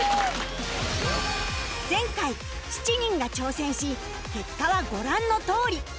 前回７人が挑戦し結果はご覧のとおり